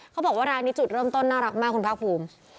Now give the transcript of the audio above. เขาบอกว่าร้านนี้จุดเริ่มต้นน่ารักมากคุณภาคภูมิ